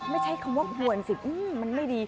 ไม่ใช่คำว่าหวนสิมันไม่ดี